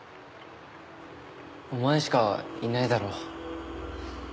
お前しかいないだろ。